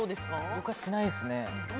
僕はしないですね。